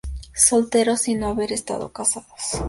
Solteros y no haber estado casados.